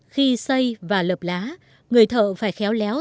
khi xây và lập lá người thợ phải khéo léo